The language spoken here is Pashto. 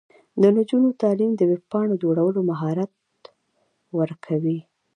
د نجونو تعلیم د ویب پاڼو جوړولو مهارت ورکوي.